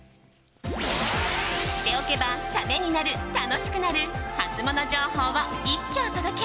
知っておけばためになる、楽しくなるハツモノ情報を一挙お届け。